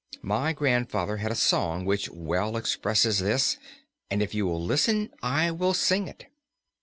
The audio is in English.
My grandfather had a song which well expresses this and if you will listen I will sing it."